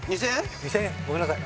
２０００円ごめんなさい